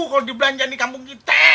kalau dibelanja di kampung kita